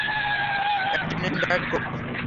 একটা নেন diet Coke.